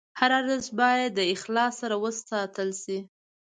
هر ارزښت باید د اخلاص سره وساتل شي.